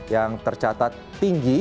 yang tercatat tinggi